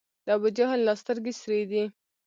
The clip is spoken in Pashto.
د ابوجهل لا سترګي سرې دي